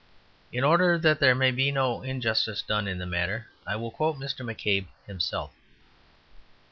In order that there may be no injustice done in the matter, I will quote Mr. McCabe himself.